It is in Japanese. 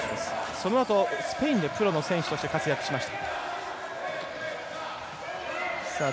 そのあとスペインでプロの選手として活躍しました。